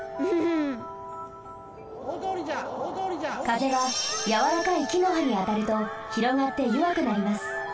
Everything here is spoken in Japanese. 風はやわらかい木の葉にあたるとひろがってよわくなります。